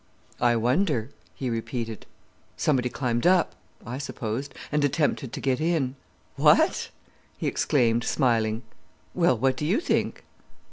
"I wonder," he repeated. "Somebody climbed up," I supposed, "and attempted to get in." "What?" he exclaimed, smiling. "Well, what do you think?"